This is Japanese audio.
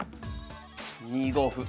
２五歩。